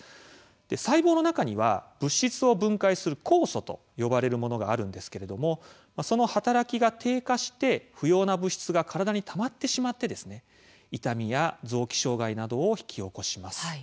細胞の中には物質を分解する酵素と呼ばれるものがあるんですけれどもその働きが低下して不要な物質が体にたまってしまって痛みや臓器障害などを引き起こします。